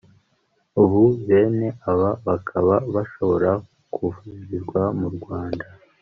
ubu bene aba bakaba bashobora kuvurirwa mu Rwanda